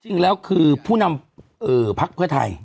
จริงแล้วคือผู้นำพักเพื่อไทย